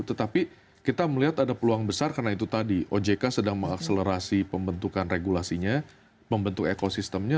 tetapi kita melihat ada peluang besar karena itu tadi ojk sedang mengakselerasi pembentukan regulasinya membentuk ekosistemnya